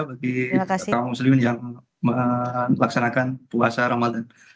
bagi kaum muslimin yang melaksanakan puasa ramadan